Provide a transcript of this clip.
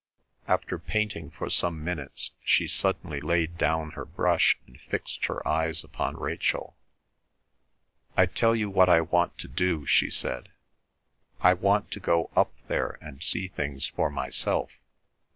After painting for some minutes, she suddenly laid down her brush and fixed her eyes upon Rachel. "I tell you what I want to do," she said. "I want to go up there and see things for myself.